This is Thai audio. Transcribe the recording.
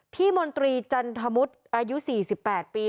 มนตรีจันทมุษอายุ๔๘ปี